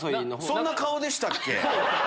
そんな顔でしたっけ？